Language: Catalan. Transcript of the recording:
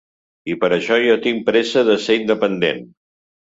I per això jo tinc pressa de ser independent.